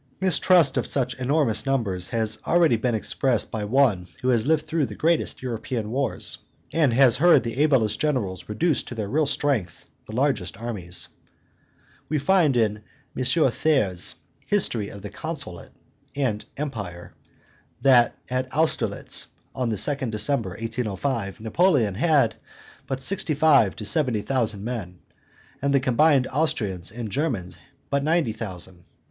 Mistrust of such enormous numbers has already been expressed by one who has lived through the greatest European wars, and has heard the ablest generals reduce to their real strength the largest armies. We find in M. Thiers' History of the Consulate and Empire, that at Austerlitz, on the 2d of December, 1805, Napoleon had but from sixty five to seventy thousand men, and the combined Austrians and Russians but ninety thousand.